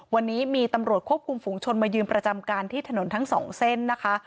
วันนี้มีตำรวจควบคุมฝุงชนมายืนประจำการที่ถนนทั้งสองเส้นนะคะ